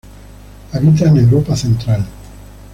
Habita en Europa Central.